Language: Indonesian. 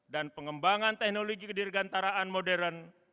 dan pengembangan teknologi dirgantaraan modern